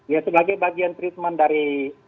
ya sebagai bagian treatment dari